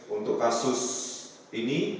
untuk kasus ini